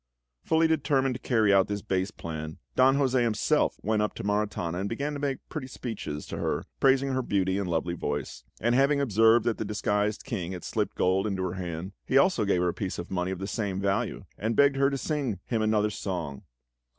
Fully determined to carry out this base plan, Don José himself went up to Maritana and began to make pretty speeches to her, praising her beauty and lovely voice; and having observed that the disguised King had slipped gold into her hand, he also gave her a piece of money of the same value, and begged her to sing him another song.